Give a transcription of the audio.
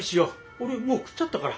俺もう食っちゃったから。